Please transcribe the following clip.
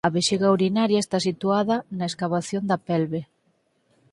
A vexiga urinaria está situada na escavación da pelve.